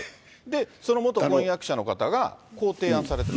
その元婚約者の方がこう提案されてる。